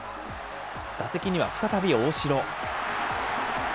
打席には再び、大城。